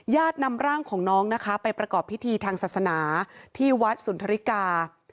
นำร่างของน้องนะคะไปประกอบพิธีทางศาสนาที่วัดสุนทริกา